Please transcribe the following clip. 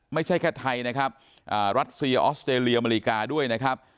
ไม่ใช่แค่ไทยนะครับรัสเซียออสเตรเลียอเมริกาด้วยนะครับ